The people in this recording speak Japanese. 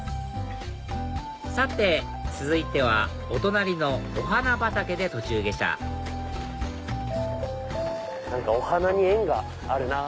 さて続いてはお隣の御花畑で途中下車何かお花に縁があるなぁ